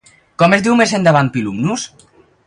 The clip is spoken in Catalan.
Com es diu més endavant Pilumnus?